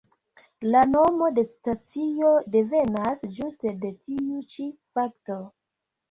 La nomo de stacio devenas ĝuste de tiu ĉi fakto.